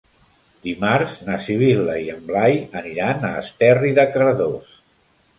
Dimarts na Sibil·la i en Blai aniran a Esterri de Cardós.